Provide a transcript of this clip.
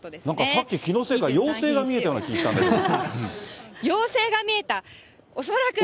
さっき気のせいか妖精が見えたような気がしたんだけど。